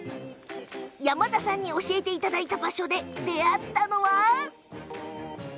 山田さんに教えていただいた場所で出会ったのは。